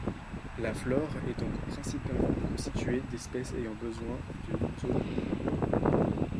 La flore est donc principalement constituée d'espèces ayant besoin d'une zone humide.